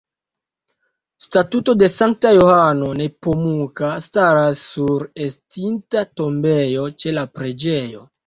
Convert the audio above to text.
Statuo de Sankta Johano Nepomuka staras sur estinta tombejo ĉe la preĝejo.